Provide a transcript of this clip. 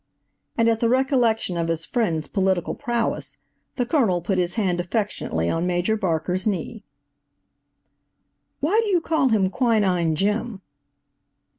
And at the recollection of his friend's political prowess, the Colonel put his hand affectionately on Major Barker's knee. "Why do you call him Quinine Jim?"